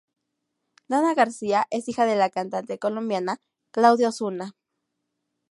Danna García es hija de la cantante colombiana Claudia Osuna.